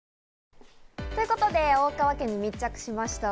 ということで、大川家に密着しました。